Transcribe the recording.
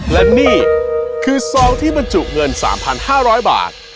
และนี่คือซองที่บรรจุเงิน๓๕๐๐บาท